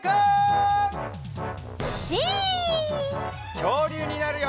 きょうりゅうになるよ！